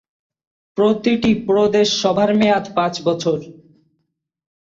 প্রতিটি প্রদেশ সভার মেয়াদ পাঁচ বছর।